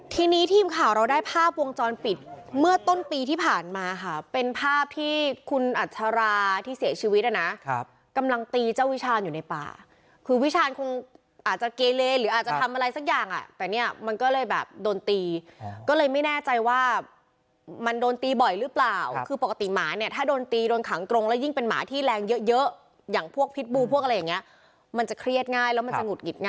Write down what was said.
ทีนี้ทีมข่าวเราได้ภาพวงจรปิดเมื่อต้นปีที่ผ่านมาค่ะเป็นภาพที่คุณอัจฉราที่เสียชีวิตนะครับกำลังตีเจ้าวิชาญอยู่ในป่าคือวิชาญคงอาจจะเกรเลหรืออาจจะทำอะไรสักอย่างอ่ะแต่เนี่ยมันก็เลยแบบโดนตีก็เลยไม่แน่ใจว่ามันโดนตีบ่อยหรือเปล่าคือปกติหมาเนี่ยถ้าโดนตีโดนขังกรงแล้วยิ่